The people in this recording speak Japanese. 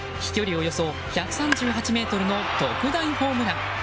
およそ１３８ｍの特大ホームラン。